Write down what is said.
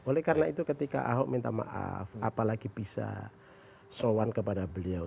oleh karena itu ketika ahok minta maaf apalagi bisa sowan kepada beliau